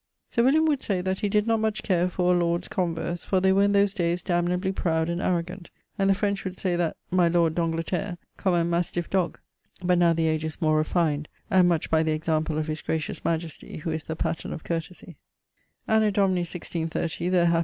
Sir William would say that he did not much care for a lord's converse, for they were in those dayes damnably proud and arrogant, and the French would say that 'My lord d'Angleterre ... comme un mastif dog'; but now the age is more refined, and much by the example of his gracious majestie, who is the patterne of courtesie.